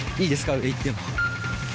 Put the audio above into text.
上行っても。